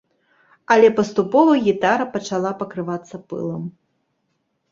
Але паступова гітара пачала пакрывацца пылам.